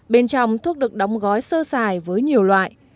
bên trong thuốc được đóng gói sơ xài với nhiều loại